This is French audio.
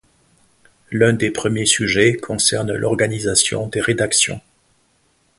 L’un des premiers sujets concerne l'organisation des rédactions.